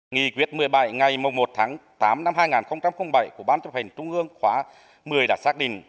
nghị quyết một mươi bảy ngày một tháng tám năm hai nghìn bảy của ban chấp hành trung ương khóa một mươi đã xác định